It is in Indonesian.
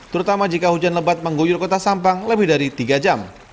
terutama jika hujan lebat mengguyur kota sampang lebih dari tiga jam